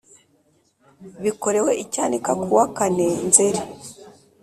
Bikorewe i Cyanika kuwa kane nzeri